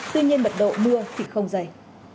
tuy nhiên mật độ mưa thì không dày